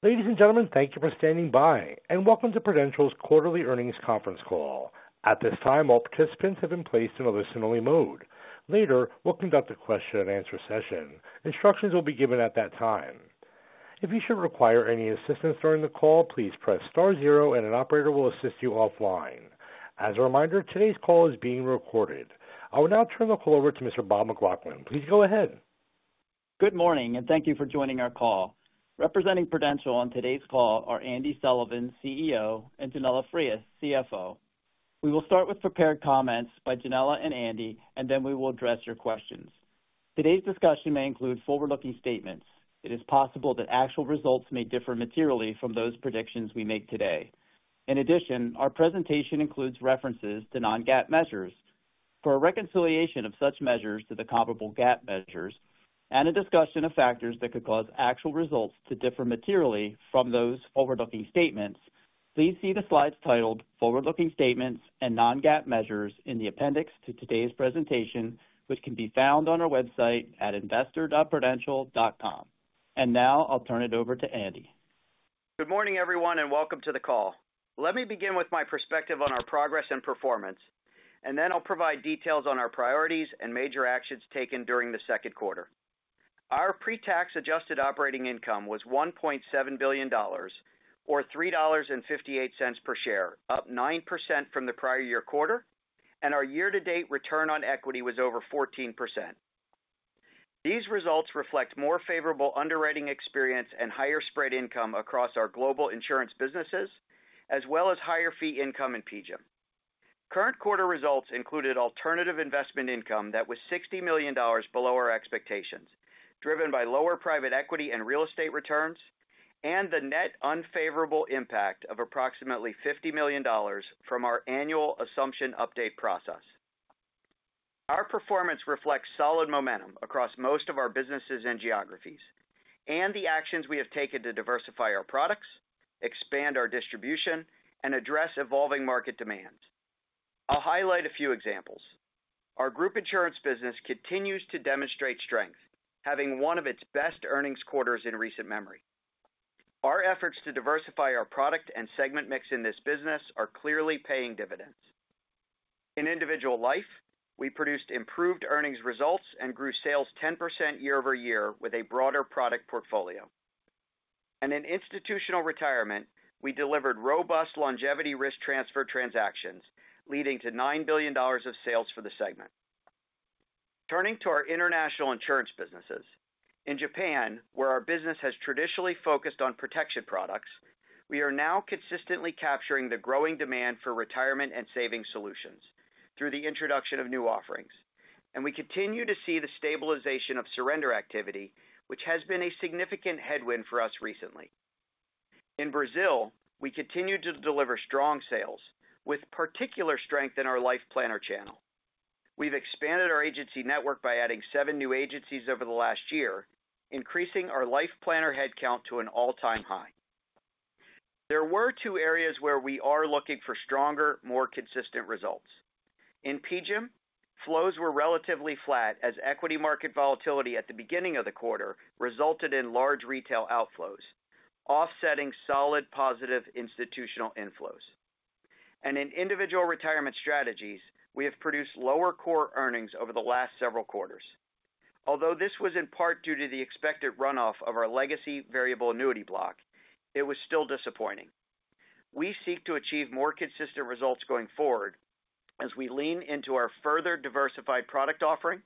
Ladies and gentlemen, thank you for standing by, and welcome to Prudential Financial's quarterly earnings conference call. At this time, all participants have been placed in a listen-only mode. Later, we'll conduct a question-and-answer session. Instructions will be given at that time. If you should require any assistance during the call, please press star zero, and an operator will assist you offline. As a reminder, today's call is being recorded. I will now turn the call over to Mr. Bob McLaughlin. Please go ahead. Good morning, and thank you for joining our call. Representing Prudential on today's call are Andy Sullivan, CEO, and Yanela Frias, CFO. We will start with prepared comments by Yanela and Andy, and then we will address your questions. Today's discussion may include forward-looking statements. It is possible that actual results may differ materially from those predictions we make today. In addition, our presentation includes references to non-GAAP measures for reconciliation of such measures to the comparable GAAP measures and a discussion of factors that could cause actual results to differ materially from those forward-looking statements. Please see the slides titled "Forward-looking Statements and Non-GAAP Measures" in the appendix to today's presentation, which can be found on our website at investor.prudential.com. I will turn it over to Andy. Good morning, everyone, and welcome to the call. Let me begin with my perspective on our progress and performance, and then I'll provide details on our priorities and major actions taken during the second quarter. Our pre-tax adjusted operating income was $1.7 billion, or $3.58 per share, up 9% from the prior year quarter, and our year-to-date return on equity was over 14%. These results reflect more favorable underwriting experience and higher spread income across our global insurance businesses, as well as higher fee income in PGIM. Current quarter results included alternative investment income that was $60 million below our expectations, driven by lower private equity and real estate returns, and the net unfavorable impact of approximately $50 million from our annual assumption update process. Our performance reflects solid momentum across most of our businesses and geographies, and the actions we have taken to diversify our products, expand our distribution, and address evolving market demands. I'll highlight a few examples. Our group insurance business continues to demonstrate strength, having one of its best earnings quarters in recent memory. Our efforts to diversify our product and segment mix in this business are clearly paying dividends. In individual life, we produced improved earnings results and grew sales 10% year-over-year with a broader product portfolio. In institutional retirement, we delivered robust longevity risk transfer transactions, leading to $9 billion of sales for the segment. Turning to our international insurance businesses, in Japan, where our business has traditionally focused on protection products, we are now consistently capturing the growing demand for retirement and savings solutions through the introduction of new offerings, and we continue to see the stabilization of surrender activity, which has been a significant headwind for us recently. In Brazil, we continue to deliver strong sales, with particular strength in our Life Planner channel. We've expanded our agency network by adding seven new agencies over the last year, increasing our Life Planner headcount to an all-time high. There were two areas where we are looking for stronger, more consistent results. In PGIM, flows were relatively flat as equity market volatility at the beginning of the quarter resulted in large retail outflows, offsetting solid positive institutional inflows. In individual retirement strategies, we have produced lower core earnings over the last several quarters. Although this was in part due to the expected runoff of our legacy variable annuity block, it was still disappointing. We seek to achieve more consistent results going forward as we lean into our further diversified product offering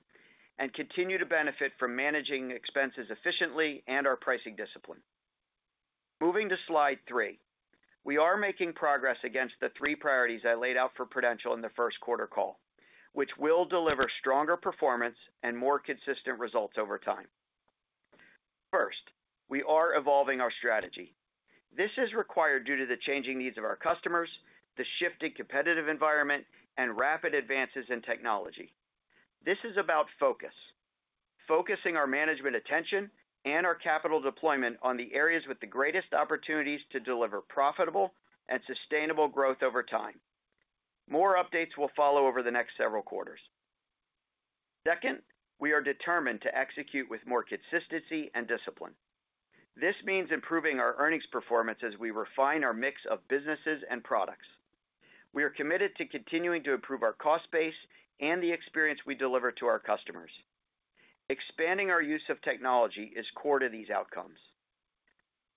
and continue to benefit from managing expenses efficiently and our pricing discipline. Moving to slide three, we are making progress against the three priorities I laid out for Prudential Financial in the first quarter call, which will deliver stronger performance and more consistent results over time. First, we are evolving our strategy. This is required due to the changing needs of our customers, the shifting competitive environment, and rapid advances in technology. This is about focus, focusing our management attention and our capital deployment on the areas with the greatest opportunities to deliver profitable and sustainable growth over time. More updates will follow over the next several quarters. Second, we are determined to execute with more consistency and discipline. This means improving our earnings performance as we refine our mix of businesses and products. We are committed to continuing to improve our cost base and the experience we deliver to our customers. Expanding our use of technology is core to these outcomes.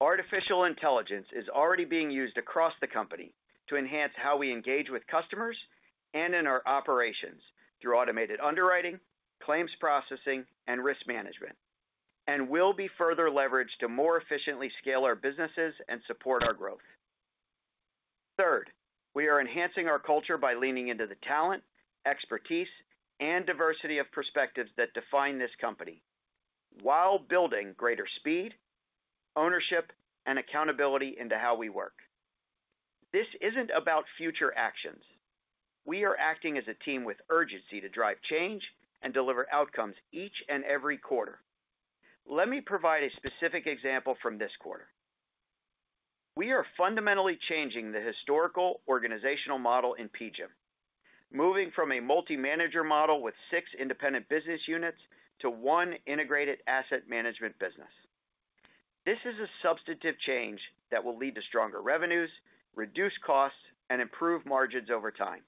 Artificial intelligence is already being used across the company to enhance how we engage with customers and in our operations through automated underwriting, claims processing, and risk management, and will be further leveraged to more efficiently scale our businesses and support our growth. Third, we are enhancing our culture by leaning into the talent, expertise, and diversity of perspectives that define this company, while building greater speed, ownership, and accountability into how we work. This isn't about future actions. We are acting as a team with urgency to drive change and deliver outcomes each and every quarter. Let me provide a specific example from this quarter. We are fundamentally changing the historical organizational model in PGIM, moving from a multi-manager model with six independent business units to one integrated asset management business. This is a substantive change that will lead to stronger revenues, reduced costs, and improved margins over time.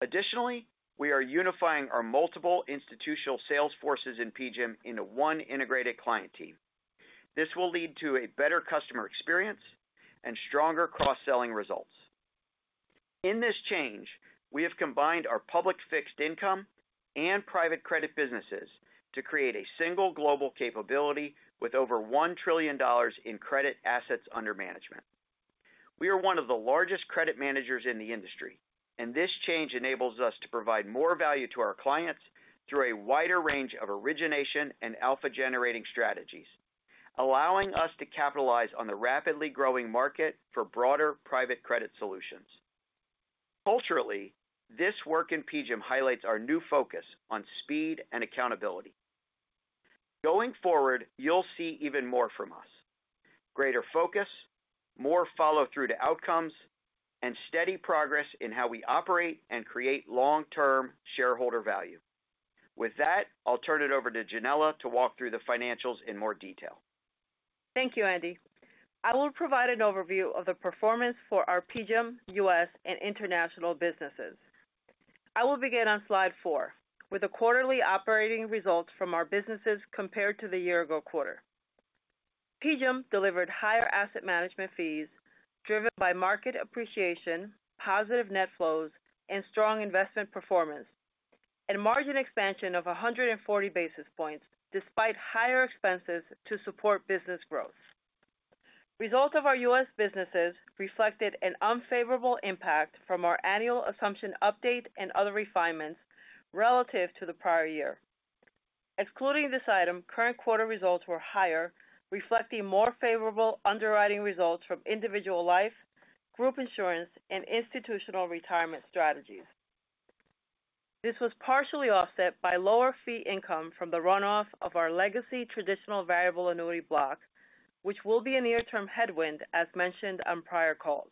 Additionally, we are unifying our multiple institutional sales forces in PGIM into one integrated client team. This will lead to a better customer experience and stronger cross-selling results. In this change, we have combined our public fixed income and private credit businesses to create a single global capability with over $1 trillion in credit assets under management. We are one of the largest credit managers in the industry, and this change enables us to provide more value to our clients through a wider range of origination and alpha-generating strategies, allowing us to capitalize on the rapidly growing market for broader private credit solutions. Culturally, this work in PGIM highlights our new focus on speed and accountability. Going forward, you'll see even more from us: greater focus, more follow-through to outcomes, and steady progress in how we operate and create long-term shareholder value. With that, I'll turn it over to Yanela to walk through the financials in more detail. Thank you, Andy. I will provide an overview of the performance for our PGIM U.S. and international businesses. I will begin on slide four with the quarterly operating results from our businesses compared to the year-ago quarter. PGIM delivered higher asset management fees driven by market appreciation, positive net flows, and strong investment performance, and margin expansion of 140 basis points despite higher expenses to support business growth. Results of our U.S. businesses reflected an unfavorable impact from our annual assumption update and other refinements relative to the prior year. Excluding this item, current quarter results were higher, reflecting more favorable underwriting results from individual life, group insurance, and institutional retirement strategies. This was partially offset by lower fee income from the runoff of our legacy traditional variable annuity block, which will be a near-term headwind, as mentioned on prior call.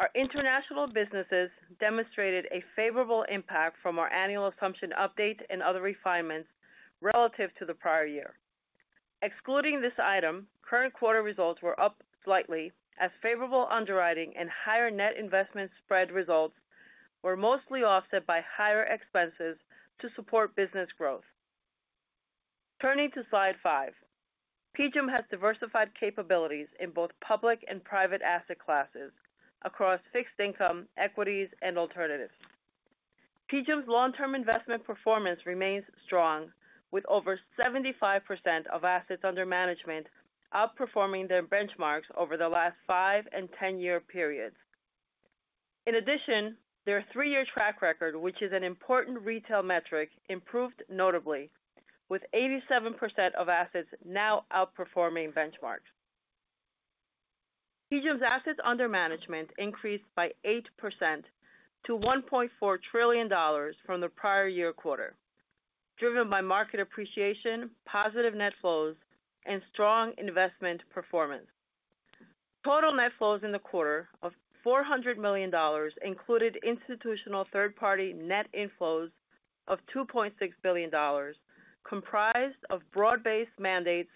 Our international businesses demonstrated a favorable impact from our annual assumption update and other refinements relative to the prior year. Excluding this item, current quarter results were up slightly, as favorable underwriting and higher net investment spread results were mostly offset by higher expenses to support business growth. Turning to slide five, PGIM has diversified capabilities in both public and private asset classes across fixed income, equities, and alternatives. PGIM's long-term investment performance remains strong, with over 75% of assets under management outperforming their benchmarks over the last five and ten-year periods. In addition, their three-year track record, which is an important retail metric, improved notably, with 87% of assets now outperforming benchmarks. PGIM's assets under management increased by 8% to $1.4 trillion from the prior year quarter, driven by market appreciation, positive net flows, and strong investment performance. Total net flows in the quarter of $400 million included institutional third-party net inflows of $2.6 billion, comprised of broad-based mandates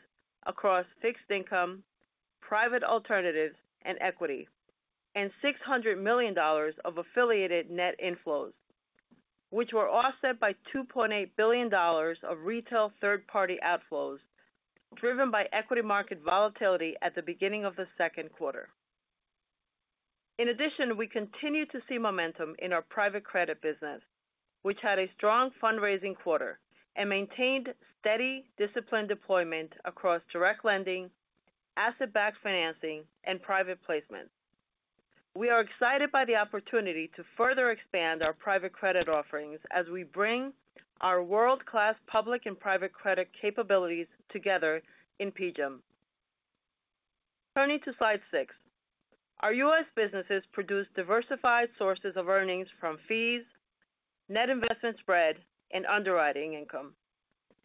across fixed income, private alternatives, and equity, and $600 million of affiliated net inflows, which were offset by $2.8 billion of retail third-party outflows driven by equity market volatility at the beginning of the second quarter. In addition, we continue to see momentum in our private credit business, which had a strong fundraising quarter and maintained steady, disciplined deployment across direct lending, asset-backed financing, and private placement. We are excited by the opportunity to further expand our private credit offerings as we bring our world-class public and private credit capabilities together in PGIM. Turning to slide six, our U.S. businesses produce diversified sources of earnings from fees, net investment spread, and underwriting income,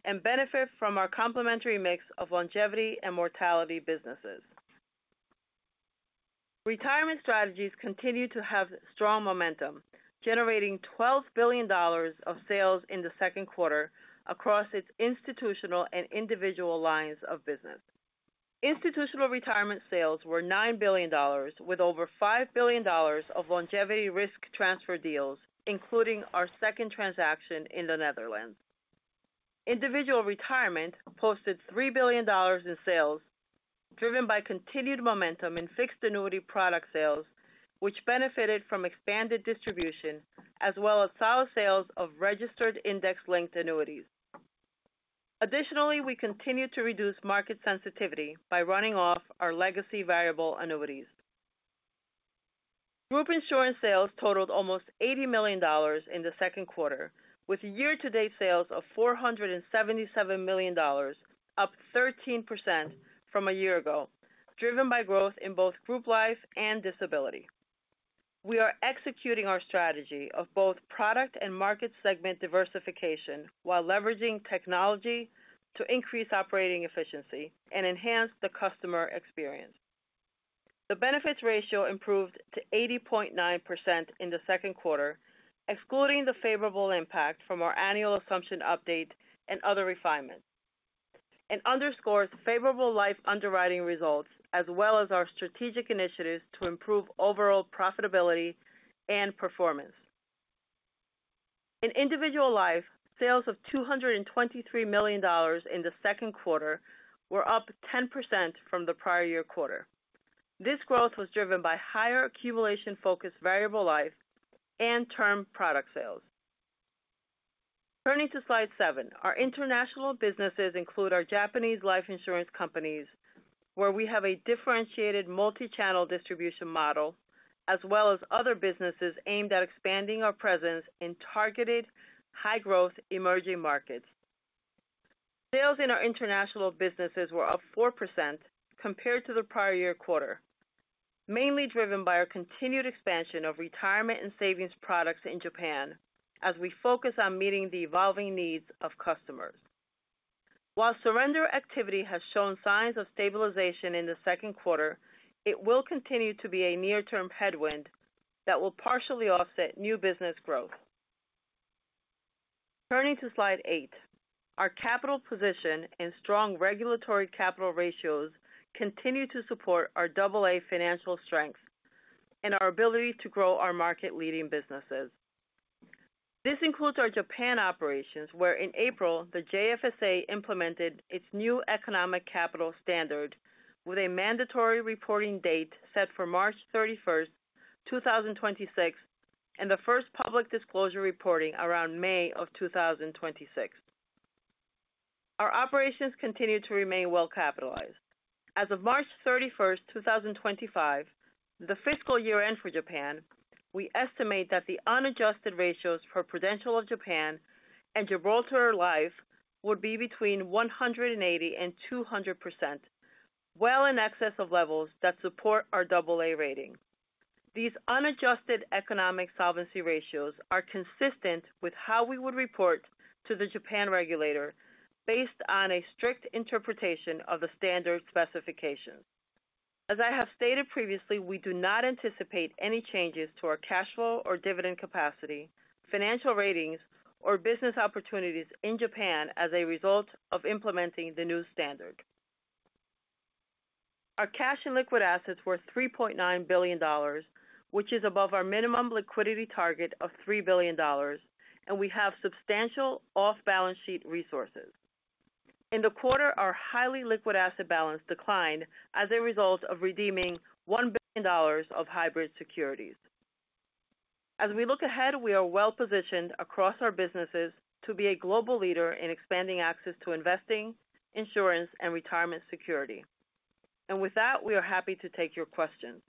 and benefit from our complementary mix of longevity and mortality businesses. Retirement strategies continue to have strong momentum, generating $12 billion of sales in the second quarter across its institutional and individual lines of business. Institutional retirement sales were $9 billion, with over $5 billion of longevity risk transfer deals, including our second transaction in the Netherlands. Individual retirement posted $3 billion in sales, driven by continued momentum in fixed annuity product sales, which benefited from expanded distribution, as well as solid sales of registered index-linked annuities. Additionally, we continue to reduce market sensitivity by running off our legacy variable annuities. Group insurance sales totaled almost $80 million in the second quarter, with year-to-date sales of $477 million, up 13% from a year ago, driven by growth in both group life and disability. We are executing our strategy of both product and market segment diversification while leveraging technology to increase operating efficiency and enhance the customer experience. The benefits ratio improved to 80.9% in the second quarter, excluding the favorable impact from our annual assumption update and other refinements. It underscores favorable life underwriting results, as well as our strategic initiatives to improve overall profitability and performance. In individual life, sales of $223 million in the second quarter were up 10% from the prior year quarter. This growth was driven by higher accumulation-focused variable life and term product sales. Turning to slide seven, our international businesses include our Japanese life insurance companies, where we have a differentiated multi-channel distribution model, as well as other businesses aimed at expanding our presence in targeted, high-growth emerging markets. Sales in our international businesses were up 4% compared to the prior year quarter, mainly driven by our continued expansion of retirement and savings products in Japan, as we focus on meeting the evolving needs of customers. While surrender activity has shown signs of stabilization in the second quarter, it will continue to be a near-term headwind that will partially offset new business growth. Turning to slide eight, our capital position and strong regulatory capital ratios continue to support our AA financial strength and our ability to grow our market-leading businesses. This includes our Japan operations, where in April, the JFSA implemented its new economic capital standard with a mandatory reporting date set for March 31, 2026, and the first public disclosure reporting around May of 2026. Our operations continue to remain well-capitalized. As of March 31, 2025, the fiscal year-end for Japan, we estimate that the unadjusted ratios for Prudential of Japan and Gibraltar Life would be between 180% and 200%. This is well in excess of levels that support our AA rating. These unadjusted economic solvency ratios are consistent with how we would report to the Japan regulator based on a strict interpretation of the standard specifications. As I have stated previously, we do not anticipate any changes to our cash flow or dividend capacity, financial ratings, or business opportunities in Japan as a result of implementing the new standard. Our cash and liquid assets were $3.9 billion, which is above our minimum liquidity target of $3 billion, and we have substantial off-balance sheet resources. In the quarter, our highly liquid asset balance declined as a result of redeeming $1 billion of hybrid securities. As we look ahead, we are well-positioned across our businesses to be a global leader in expanding access to investing, insurance, and retirement security. We are happy to take your questions.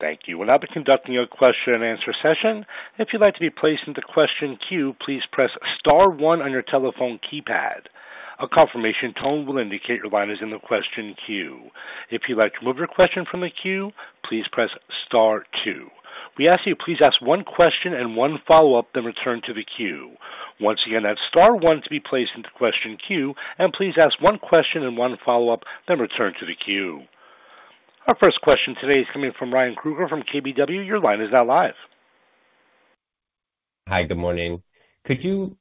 Thank you. We'll now be conducting a question-and-answer session. If you'd like to be placed into the question queue, please press star one on your telephone keypad. A confirmation tone will indicate your line is in the question queue. If you'd like to remove your question from the queue, please press star two. We ask that you please ask one question and one follow-up, then return to the queue. Once again, that's star one to be placed into the question queue, and please ask one question and one follow-up, then return to the queue. Our first question today is coming from Ryan Krueger from KBW. Your line is now live. Hi, good morning. Could you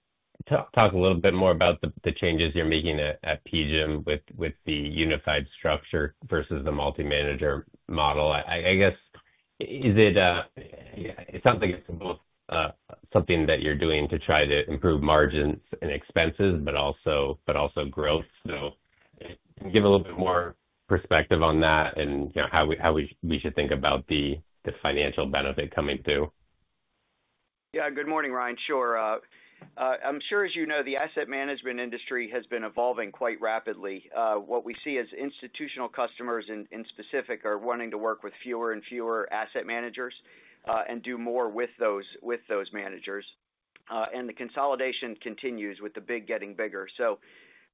talk a little bit more about the changes you're making at PGIM with the unified structure versus the multi-manager model? It sounds like it's both something that you're doing to try to improve margins and expenses, but also growth. Give a little bit more perspective on that and how we should think about the financial benefit coming through. Yeah, good morning, Ryan. Sure. As you know, the asset management industry has been evolving quite rapidly. What we see is institutional customers in specific are wanting to work with fewer and fewer asset managers and do more with those managers. The consolidation continues with the big getting bigger.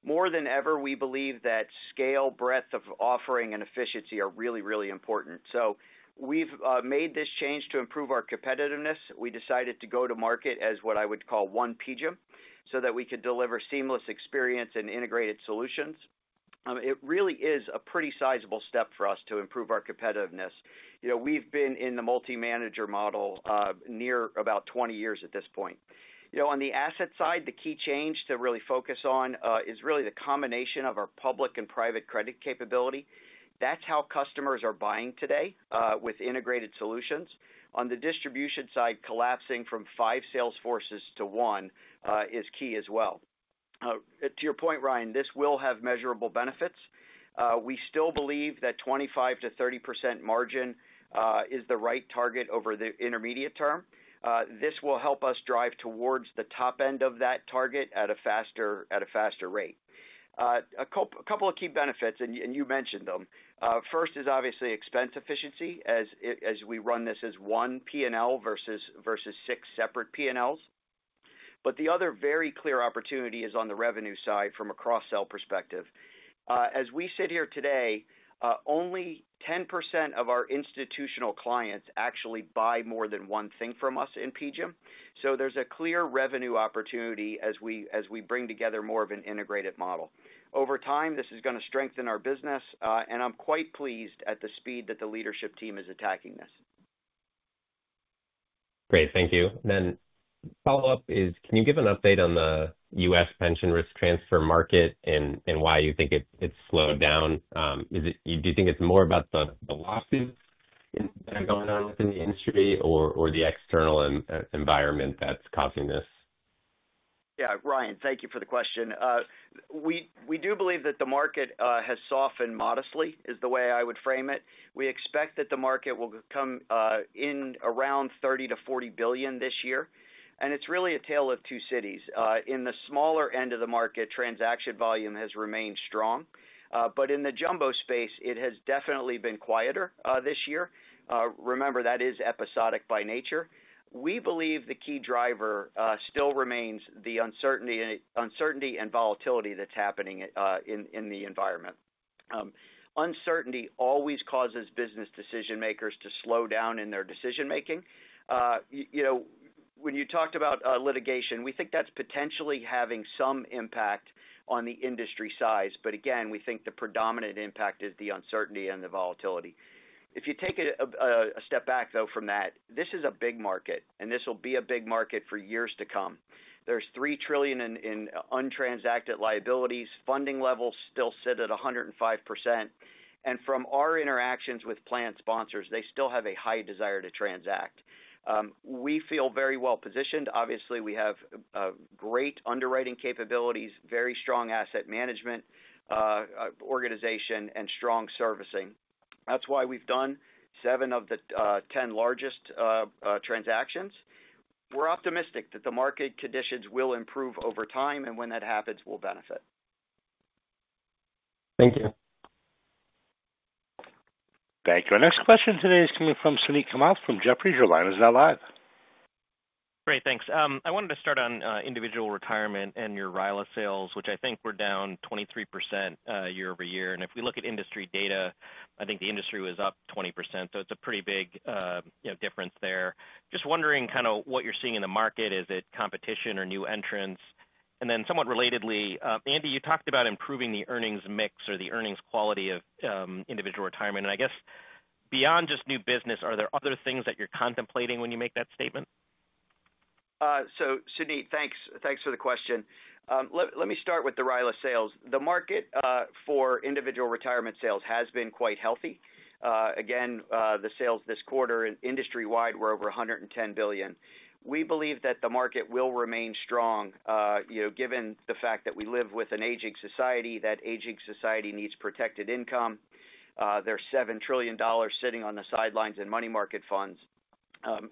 More than ever, we believe that scale, breadth of offering, and efficiency are really, really important. We have made this change to improve our competitiveness. We decided to go to market as what I would call one PGIM so that we could deliver a seamless experience and integrated solutions. It really is a pretty sizable step for us to improve our competitiveness. We have been in the multi-manager model near about 20 years at this point. On the asset side, the key change to really focus on is the combination of our public and private credit capability. That is how customers are buying today with integrated solutions. On the distribution side, collapsing from five sales forces to one is key as well. To your point, Ryan, this will have measurable benefits. We still believe that 25%-30% margin is the right target over the intermediate term. This will help us drive towards the top end of that target at a faster rate. A couple of key benefits, and you mentioned them. First is obviously expense efficiency as we run this as one P&L versus six separate P&Ls. The other very clear opportunity is on the revenue side from a cross-sell perspective. As we sit here today, only 10% of our institutional clients actually buy more than one thing from us in PGIM. There is a clear revenue opportunity as we bring together more of an integrated model. Over time, this is going to strengthen our business, and I am quite pleased at the speed that the leadership team is attacking this. Great. Thank you. Follow up is can you give an update on the U.S. pension risk transfer market and why you think it's slowed down? Do you think it's more about the losses that are going on within the industry or the external environment that's causing this? Yeah, Ryan, thank you for the question. We do believe that the market has softened modestly, is the way I would frame it. We expect that the market will come in around $30-$40 billion this year. It's really a tale of two cities. In the smaller end of the market, transaction volume has remained strong. In the jumbo space, it has definitely been quieter this year. Remember, that is episodic by nature. We believe the key driver still remains the uncertainty and volatility that's happening in the environment. Uncertainty always causes business decision-makers to slow down in their decision-making. When you talked about litigation, we think that's potentially having some impact on the industry size. Again, we think the predominant impact is the uncertainty and the volatility. If you take a step back, though, from that, this is a big market, and this will be a big market for years to come. There's $3 trillion in untransacted liabilities. Funding levels still sit at 105%. From our interactions with plan sponsors, they still have a high desire to transact. We feel very well-positioned. Obviously, we have great underwriting capabilities, very strong asset management organization, and strong servicing. That's why we've done seven of the 10 largest transactions. We're optimistic that the market conditions will improve over time, and when that happens, we'll benefit. Thank you. Thank you. Our next question today is coming from Suneet Kamath from Jefferies. He's now live. Great. Thanks. I wanted to start on individual retirement and your RILA sales, which I think were down 23% year-over-year. If we look at industry data, I think the industry was up 20%. It's a pretty big difference there. Just wondering kind of what you're seeing in the market. Is it competition or new entrants? Somewhat relatedly, Andy, you talked about improving the earnings mix or the earnings quality of individual retirement. I guess beyond just new business, are there other things that you're contemplating when you make that statement? Suneet, thanks for the question. Let me start with the RILA sales. The market for individual retirement sales has been quite healthy. The sales this quarter industry-wide were over $110 billion. We believe that the market will remain strong. Given the fact that we live with an aging society, that aging society needs protected income. There's $7 trillion sitting on the sidelines in money market funds.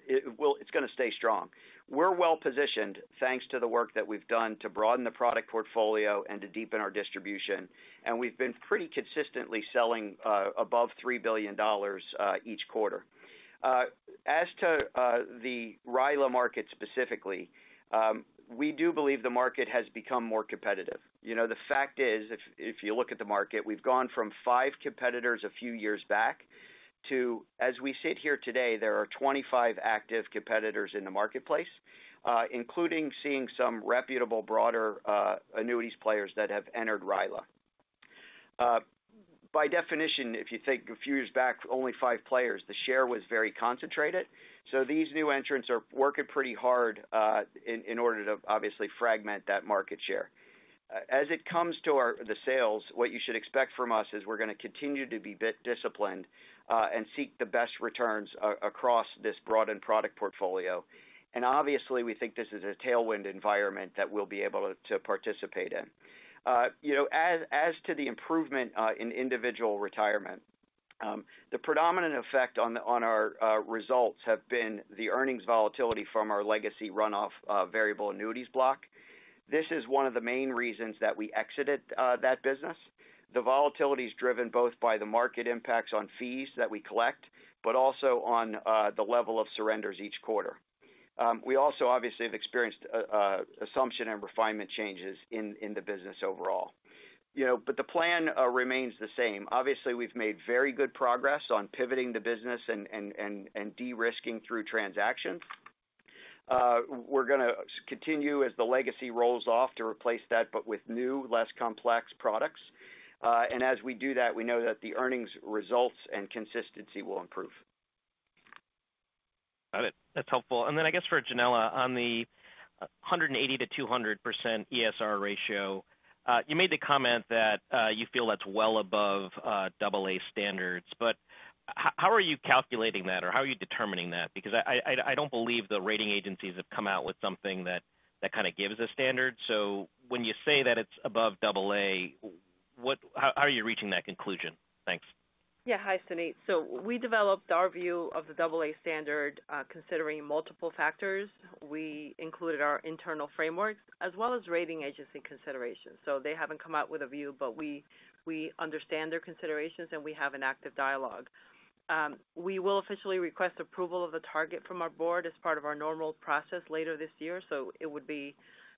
It's going to stay strong. We're well-positioned thanks to the work that we've done to broaden the product portfolio and to deepen our distribution. We've been pretty consistently selling above $3 billion each quarter. As to the RILA market specifically, we do believe the market has become more competitive. The fact is, if you look at the market, we've gone from five competitors a few years back to, as we sit here today, there are 25 active competitors in the marketplace, including seeing some reputable broader annuities players that have entered RILA. By definition, if you think a few years back, only five players, the share was very concentrated. These new entrants are working pretty hard in order to obviously fragment that market share. As it comes to the sales, what you should expect from us is we're going to continue to be disciplined and seek the best returns across this broadened product portfolio. We think this is a tailwind environment that we'll be able to participate in. As to the improvement in individual retirement, the predominant effect on our results has been the earnings volatility from our legacy runoff variable annuities block. This is one of the main reasons that we exited that business. The volatility is driven both by the market impacts on fees that we collect, but also on the level of surrenders each quarter. We also obviously have experienced assumption and refinement changes in the business overall. The plan remains the same. We've made very good progress on pivoting the business and de-risking through transactions. We're going to continue as the legacy rolls off to replace that, but with new, less complex products. As we do that, we know that the earnings results and consistency will improve. Got it. That's helpful. I guess for Yanela, on the 180 to 200% ESR ratio, you made the comment that you feel that's well above AA standards. How are you calculating that, or how are you determining that? I don't believe the rating agencies have come out with something that kind of gives a standard. When you say that it's above AA, how are you reaching that conclusion? Thanks. Hi, Suneet. We developed our view of the AA standard considering multiple factors. We included our internal framework as well as rating agency considerations. They haven't come out with a view, but we understand their considerations and we have an active dialogue. We will officially request approval of the target from our board as part of our normal process later this year. It would be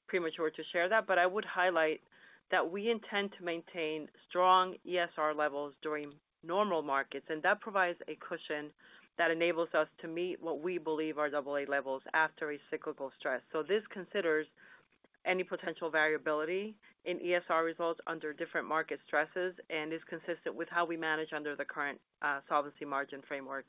premature to share that. I would highlight that we intend to maintain strong ESR levels during normal markets. That provides a cushion that enables us to meet what we believe are AA levels after a cyclical stress. This considers any potential variability in ESR results under different market stresses and is consistent with how we manage under the current solvency margin framework.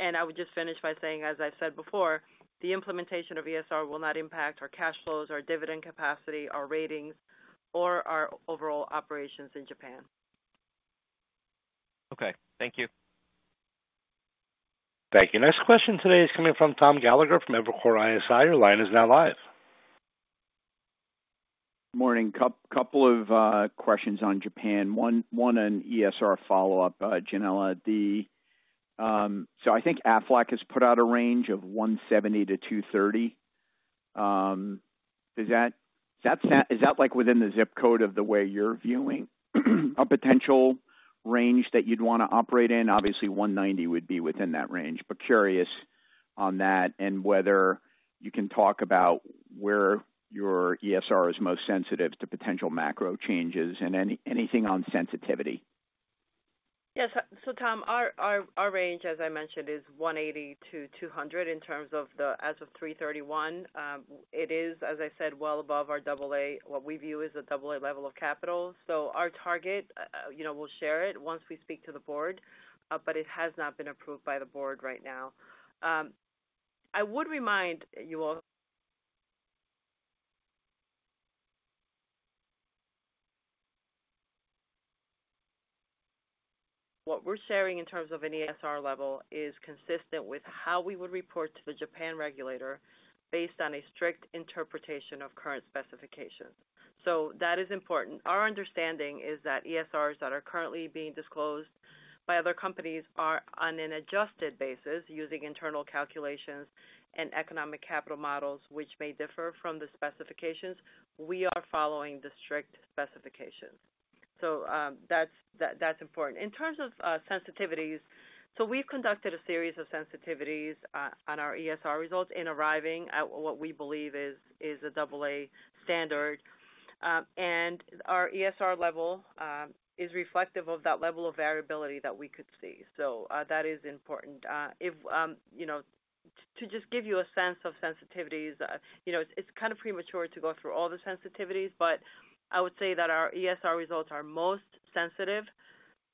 I would just finish by saying, as I've said before, the implementation of ESR will not impact our cash flows, our dividend capacity, our ratings, or our overall operations in Japan. Okay, thank you. Thank you. Next question today is coming from Tom Gallagher from Evercore ISI. Your line is now live. Morning. A couple of questions on Japan. One an ESR follow-up, Yanela. I think Aflac has put out a range of 170 to 230. Is that within the zip code of the way you're viewing a potential range that you'd want to operate in? Obviously, 190 would be within that range. Curious on that and whether you can talk about where your ESR is most sensitive to potential macro changes and anything on sensitivity. Yes. Tom, our range, as I mentioned, is 180-200 in terms of the as of 3/31. It is, as I said, well above our AA, what we view as a AA level of capital. Our target, we'll share it once we speak to the board, but it has not been approved by the board right now. I would remind you all, what we're sharing in terms of an ESR level is consistent with how we would report to the Japan regulator based on a strict interpretation of current specifications. That is important. Our understanding is that ESRs that are currently being disclosed by other companies are on an adjusted basis using internal calculations and economic capital models, which may differ from the specifications. We are following the strict specifications. That is important. In terms of sensitivities, we've conducted a series of sensitivities on our ESR results in arriving at what we believe is a AA standard. Our ESR level is reflective of that level of variability that we could see. That is important. To just give you a sense of sensitivities, it's kind of premature to go through all the sensitivities, but I would say that our ESR results are most sensitive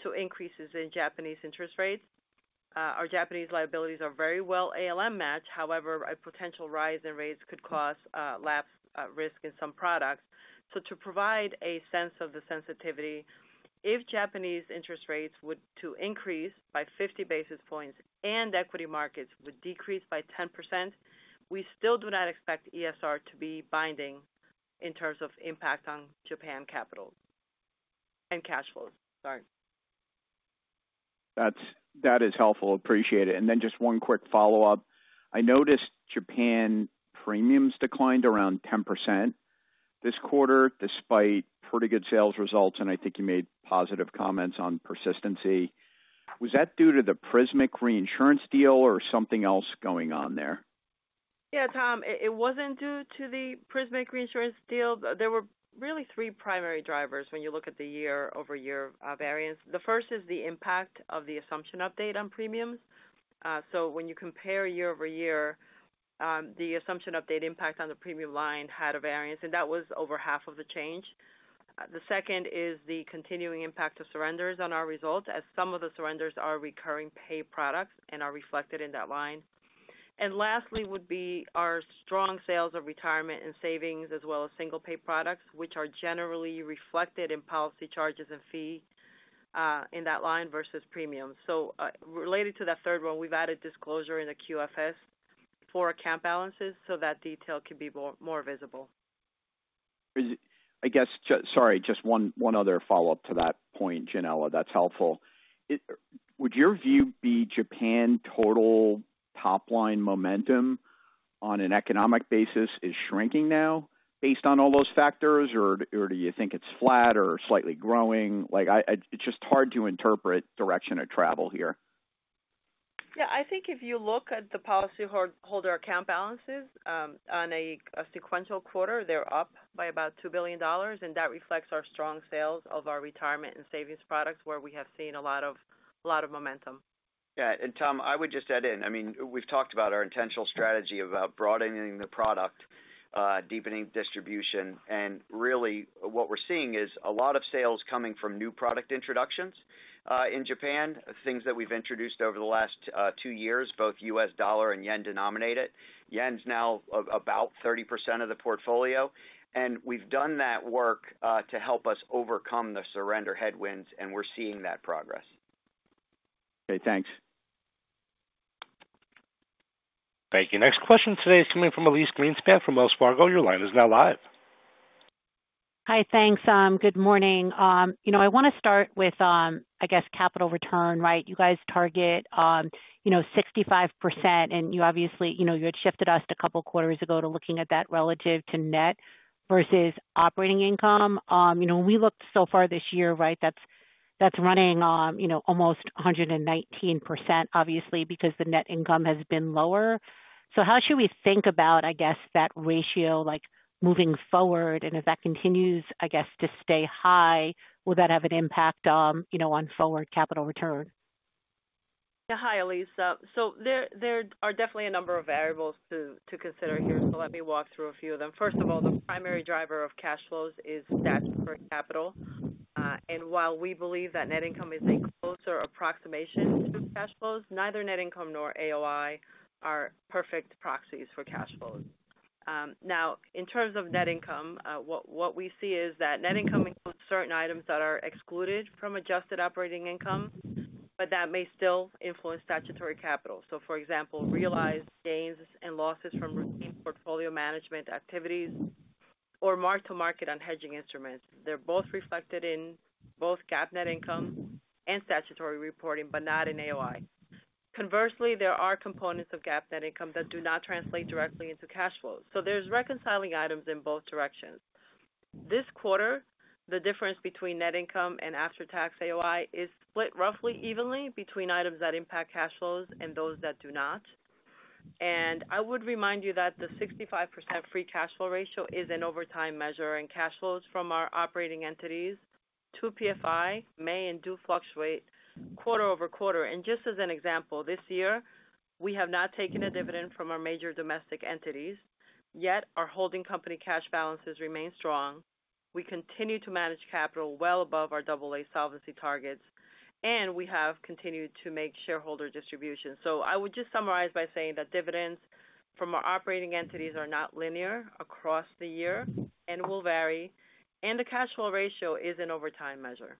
to increases in Japanese interest rates. Our Japanese liabilities are very well ALM matched. However, a potential rise in rates could cause lapse risk in some products. To provide a sense of the sensitivity, if Japanese interest rates were to increase by 50 basis points and equity markets would decrease by 10%, we still do not expect ESR to be binding in terms of impact on Japan capital and cash flows. Thanks. That is helpful. Appreciate it. Just one quick follow-up. I noticed Japan premiums declined around 10% this quarter, despite pretty good sales results, and I think you made positive comments on persistency. Was that due to the Prismic Reinsurance deal or something else going on there? Yeah, Tom, it wasn't due to the Prismic Reinsurance deal. There were really three primary drivers when you look at the year-over-year variance. The first is the impact of the assumption update on premiums. When you compare year-over-year, the assumption update impact on the premium line had a variance, and that was over half of the change. The second is the continuing impact of surrenders on our results, as some of the surrenders are recurring pay products and are reflected in that line. Lastly would be our strong sales of retirement and savings as well as single-pay products, which are generally reflected in policy charges and fees in that line versus premiums. Related to that third one, we've added disclosure in the QFS for account balances so that detail could be more visible. I guess, sorry, just one other follow-up to that point, Yanela. That's helpful. Would your view be Japan total? Top-line momentum on an economic basis is shrinking now based on all those factors, or do you think it's flat or slightly growing? It's just hard to interpret direction of travel here. Yeah, I think if you look at the policyholder account balances on a sequential quarter, they're up by about $2 billion. That reflects our strong sales of our retirement and savings products where we have seen a lot of momentum. Yeah. Tom, I would just add in, I mean, we've talked about our intentional strategy about broadening the product, deepening distribution. Really, what we're seeing is a lot of sales coming from new product introductions. In Japan, things that we've introduced over the last two years, both U.S. dollar and yen denominated. Yen's now about 30% of the portfolio. We've done that work to help us overcome the surrender headwinds, and we're seeing that progress. Okay. Thanks. Thank you. Next question today is coming from Elyse Greenspan from Wells Fargo. Your line is now live. Hi, thanks. Good morning. I want to start with, I guess, capital return, right? You guys target 65%, and you obviously had shifted us a couple of quarters ago to looking at that relative to net versus operating income. We looked so far this year, right, that's running almost 119%, obviously, because the net income has been lower. How should we think about, I guess, that ratio moving forward? If that continues, I guess, to stay high, will that have an impact on forward capital return? Yeah, hi, Elyse. There are definitely a number of variables to consider here. Let me walk through a few of them. First of all, the primary driver of cash flows is statutory capital. While we believe that net income is a closer approximation to cash flows, neither net income nor AOI are perfect proxies for cash flows. In terms of net income, what we see is that net income includes certain items that are excluded from adjusted operating income, but that may still influence statutory capital. For example, realized gains and losses from routine portfolio management activities or mark-to-market on hedging instruments. They are both reflected in both GAAP net income and statutory reporting, but not in AOI. Conversely, there are components of GAAP net income that do not translate directly into cash flows. There are reconciling items in both directions. This quarter, the difference between net income and after-tax AOI is split roughly evenly between items that impact cash flows and those that do not. I would remind you that the 65% free cash flow ratio is an overtime measure in cash flows from our operating entities to PFI and may fluctuate quarter over quarter. Just as an example, this year, we have not taken a dividend from our major domestic entities. Yet, our holding company cash balances remain strong. We continue to manage capital well above our AA solvency targets, and we have continued to make shareholder distributions. I would just summarize by saying that dividends from our operating entities are not linear across the year and will vary. The cash flow ratio is an overtime measure.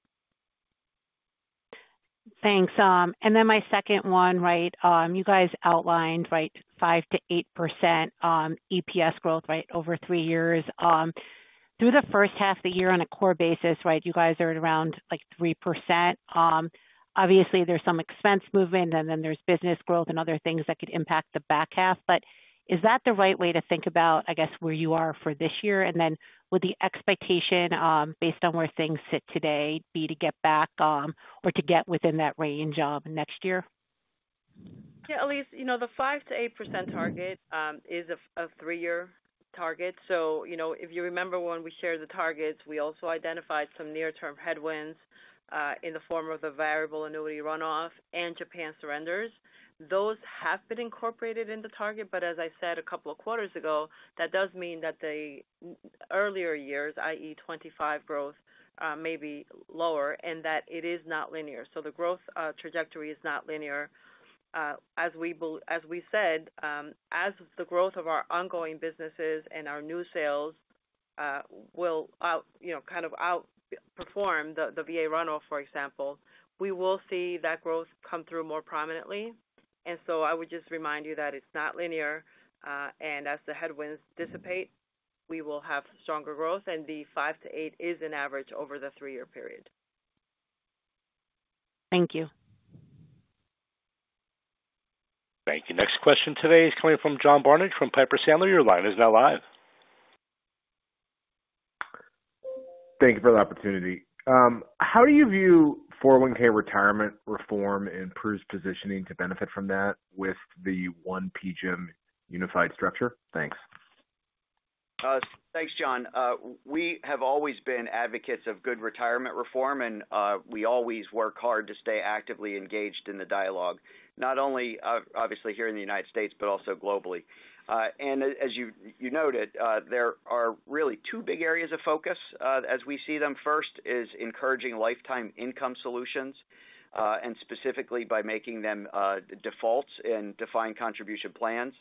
Thanks. My second one, you guys outlined 5%-8% EPS growth over three years. Through the first half of the year on a core basis, you guys are at around 3%. Obviously, there's some expense movement, and then there's business growth and other things that could impact the back half. Is that the right way to think about, I guess, where you are for this year? Would the expectation based on where things sit today be to get back or to get within that range next year? Yeah, Elyse, the 5%-8% target is a three-year target. If you remember when we shared the targets, we also identified some near-term headwinds in the form of the variable annuity runoff and Japan surrenders. Those have been incorporated in the target, but as I said a couple of quarters ago, that does mean that the earlier years, i.e., 2025 growth, may be lower and that it is not linear. The growth trajectory is not linear. As we said, as the growth of our ongoing businesses and our new sales will kind of outperform the variable annuity runoff, for example, we will see that growth come through more prominently. I would just remind you that it's not linear. As the headwinds dissipate, we will have stronger growth. The 5%-8% is an average over the three-year period. Thank you. Thank you. Next question today is coming from John Barnidge from Piper Sandler. Your line is now live. Thank you for the opportunity. How do you view 401(k) retirement reform and Prudential Financial's positioning to benefit from that with the one-PGIM unified structure? Thanks. Thanks, John. We have always been advocates of good retirement reform, and we always work hard to stay actively engaged in the dialogue, not only obviously here in the U.S., but also globally. As you noted, there are really two big areas of focus as we see them. First is encouraging lifetime income solutions and specifically by making them defaults in defined contribution plans.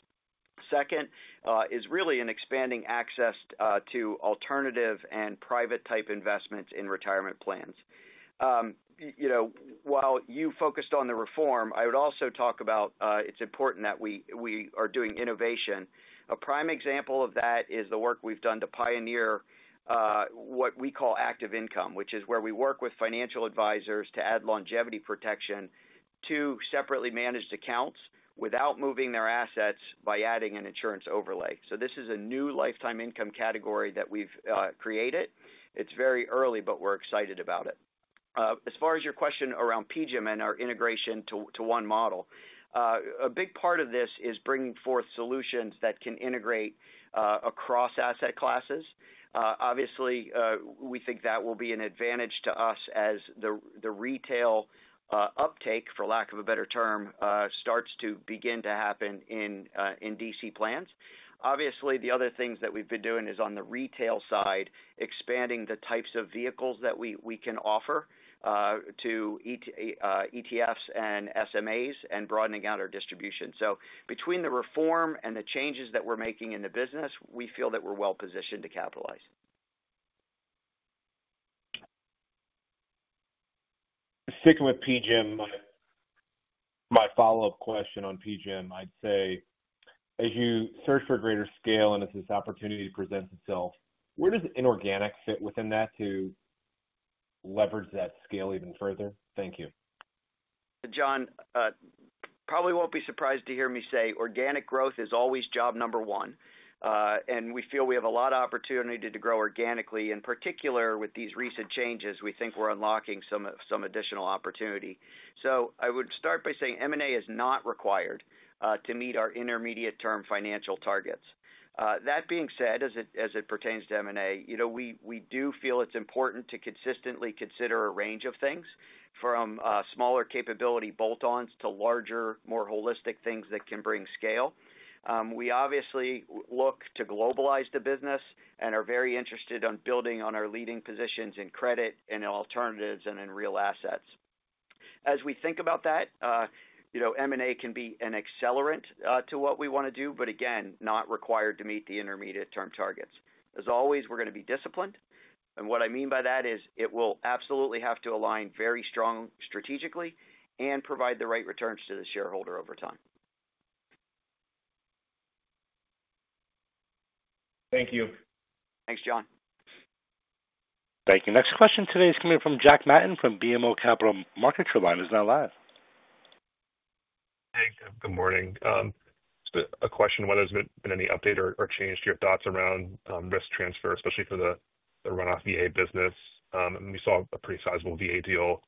Second is really expanding access to alternative and private-type investments in retirement plans. While you focused on the reform, I would also talk about it's important that we are doing innovation. A prime example of that is the work we've done to pioneer what we call active income, which is where we work with financial advisors to add longevity protection to separately managed accounts without moving their assets by adding an insurance overlay. This is a new lifetime income category that we've created. It's very early, but we're excited about it. As far as your question around PGIM and our integration to one model, a big part of this is bringing forth solutions that can integrate across asset classes. Obviously, we think that will be an advantage to us as the retail uptake, for lack of a better term, starts to begin to happen in DC plans. The other things that we've been doing is on the retail side, expanding the types of vehicles that we can offer to ETFs and SMAs and broadening out our distribution. Between the reform and the changes that we're making in the business, we feel that we're well positioned to capitalize. Sticking with PGIM. My follow-up question on PGIM, I'd say. As you search for greater scale and as this opportunity presents itself, where does inorganic fit within that to leverage that scale even further? Thank you. John. Probably won't be surprised to hear me say organic growth is always job number one, and we feel we have a lot of opportunity to grow organically. In particular, with these recent changes, we think we're unlocking some additional opportunity. I would start by saying M&A is not required to meet our intermediate-term financial targets. That being said, as it pertains to M&A, we do feel it's important to consistently consider a range of things from smaller capability bolt-ons to larger, more holistic things that can bring scale. We obviously look to globalize the business and are very interested in building on our leading positions in credit and in alternatives and in real assets. As we think about that, M&A can be an accelerant to what we want to do, but again, not required to meet the intermediate-term targets. As always, we're going to be disciplined. What I mean by that is it will absolutely have to align very strong strategically and provide the right returns to the shareholder over time. Thank you. Thanks, John. Thank you. Next question today is coming from Jack Matten from BMO Capital Markets. He's now live. Hey, good morning. Just a question whether there's been any update or change to your thoughts around risk transfer, especially for the runoff VA business. We saw a pretty sizable VA deal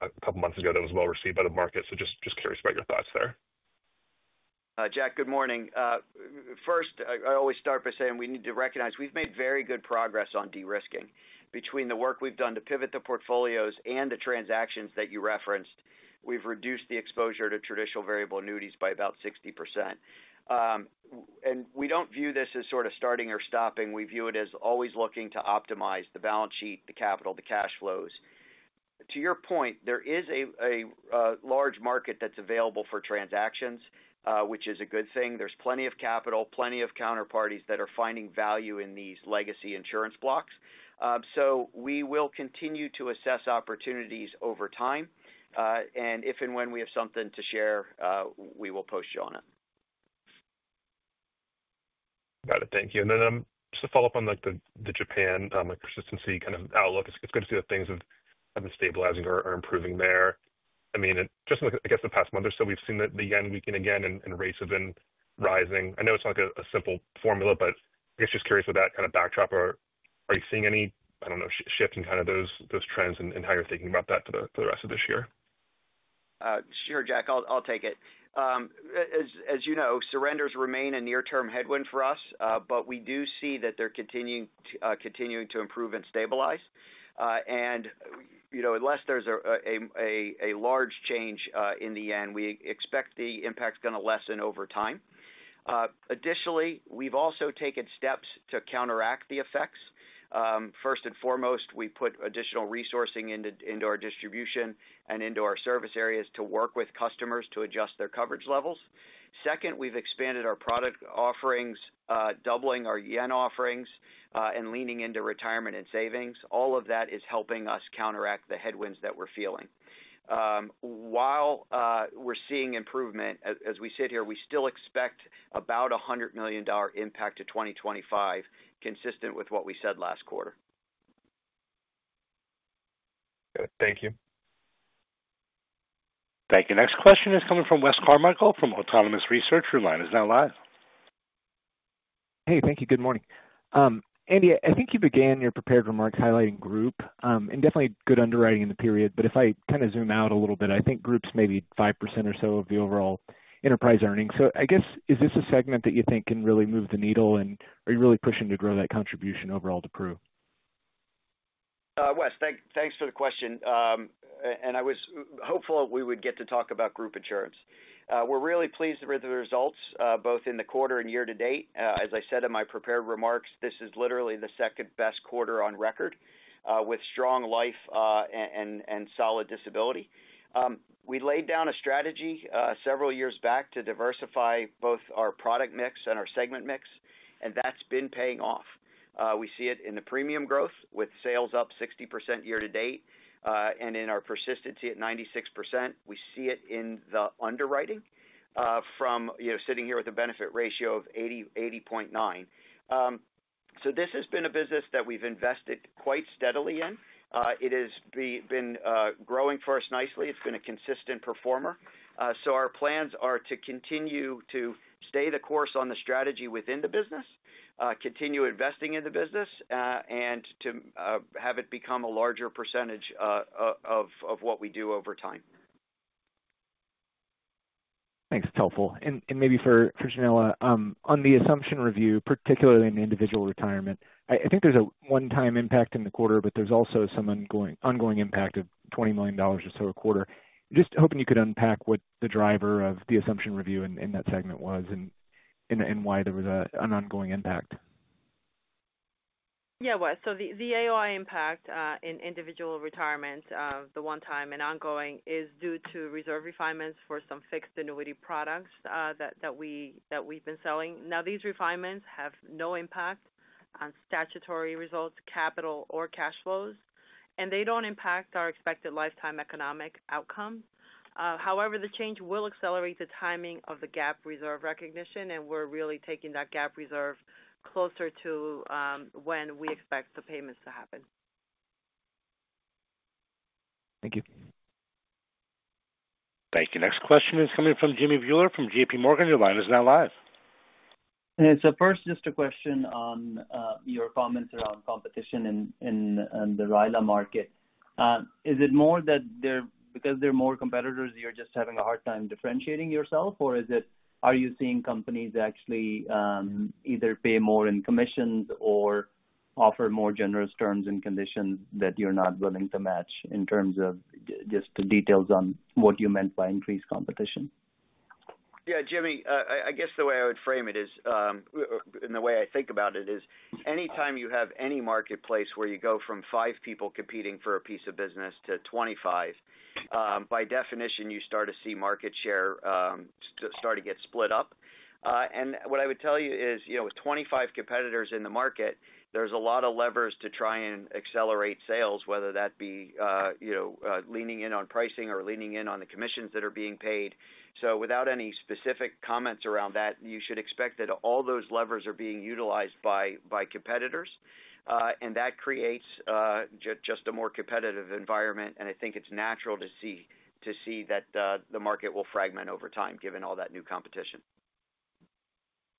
a couple of months ago that was well received by the market. Just curious about your thoughts there. Jack, good morning. First, I always start by saying we need to recognize we've made very good progress on de-risking. Between the work we've done to pivot the portfolios and the transactions that you referenced, we've reduced the exposure to traditional variable annuities by about 60%. We don't view this as sort of starting or stopping. We view it as always looking to optimize the balance sheet, the capital, the cash flows. To your point, there is a large market that's available for transactions, which is a good thing. There's plenty of capital, plenty of counterparties that are finding value in these legacy insurance blocks. We will continue to assess opportunities over time. If and when we have something to share, we will post you on it. Got it. Thank you. Just to follow up on the Japan consistency kind of outlook, it's good to see that things have been stabilizing or improving there. In the past month or so, we've seen the Yen weaken again and rates have been rising. I know it's not a simple formula, but I'm curious with that kind of backdrop, are you seeing any shift in those trends and how you're thinking about that for the rest of this year? Sure, Jack, I'll take it. As you know, surrenders remain a near-term headwind for us, but we do see that they're continuing to improve and stabilize. Unless there's a large change in the end, we expect the impact is going to lessen over time. Additionally, we've also taken steps to counteract the effects. First and foremost, we put additional resourcing into our distribution and into our service areas to work with customers to adjust their coverage levels. Second, we've expanded our product offerings, doubling our Yen offerings, and leaning into retirement and savings. All of that is helping us counteract the headwinds that we're feeling. While we're seeing improvement as we sit here, we still expect about a $100 million impact to 2025, consistent with what we said last quarter. Thank you. Thank you. Next question is coming from Wes Carmichael from Autonomous Research. Your line is now live. Hey, thank you. Good morning. Andy, I think you began your prepared remarks highlighting group and definitely good underwriting in the period. If I kind of zoom out a little bit, I think group is maybe 5% or so of the overall enterprise earnings. I guess, is this a segment that you think can really move the needle, and are you really pushing to grow that contribution overall to Prudential? Wes, thanks for the question. I was hopeful we would get to talk about group insurance. We're really pleased with the results, both in the quarter and year to date. As I said in my prepared remarks, this is literally the second-best quarter on record with strong life and solid disability. We laid down a strategy several years back to diversify both our product mix and our segment mix, and that's been paying off. We see it in the premium growth with sales up 60% year-to-date and in our persistency at 96%. We see it in the underwriting from sitting here with a benefit ratio of 80.9%. This has been a business that we've invested quite steadily in. It has been growing for us nicely. It's been a consistent performer. Our plans are to continue to stay the course on the strategy within the business, continue investing in the business, and to have it become a larger percentage of what we do over time. Thanks. It's helpful. Maybe for Yanela, on the assumption review, particularly in individual retirement, I think there's a one-time impact in the quarter, but there's also some ongoing impact of $20 million or so a quarter. Just hoping you could unpack what the driver of the assumption review in that segment was and why there was an ongoing impact. Yeah, Wes. The AOI impact in individual retirement, the one-time and ongoing, is due to reserve refinements for some fixed annuity products that we've been selling. These refinements have no impact on statutory results, capital, or cash flows. They don't impact our expected lifetime economic outcome. However, the change will accelerate the timing of the GAAP reserve recognition, and we're really taking that GAAP reserve closer to when we expect the payments to happen. Thank you. Thank you. Next question is coming from Jimmy Bhullar from J.P. Morgan. Your line is now live. Just a question on your comments around competition in the RILA market. Is it more that because there are more competitors, you're just having a hard time differentiating yourself, or are you seeing companies actually either pay more in commissions or offer more generous terms and conditions that you're not willing to match in terms of just the details on what you meant by increased competition? Yeah, Jimmy, I guess the way I would frame it is, and the way I think about it is anytime you have any marketplace where you go from five people competing for a piece of business to 25, by definition, you start to see market share start to get split up. What I would tell you is with 25 competitors in the market, there's a lot of levers to try and accelerate sales, whether that be leaning in on pricing or leaning in on the commissions that are being paid. Without any specific comments around that, you should expect that all those levers are being utilized by competitors. That creates just a more competitive environment. I think it's natural to see that the market will fragment over time given all that new competition.